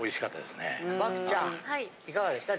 漠ちゃんいかがでした？